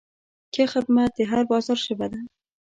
ښه خدمت د هر بازار ژبه ده.